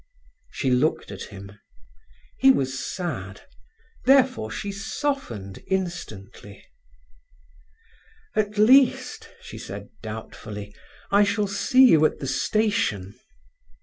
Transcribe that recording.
She looked at him. He was sad, therefore she softened instantly. "At least," she said doubtfully, "I shall see you at the station."